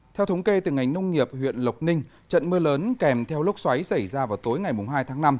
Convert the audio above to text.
theo thống kê từ ngành nông nghiệp huyện lộc ninh trận mưa lớn kèm theo lốc xoáy xảy ra vào tối ngày hai tháng năm